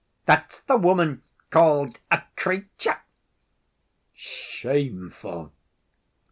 That's the woman called a 'creature'!" "Shameful!"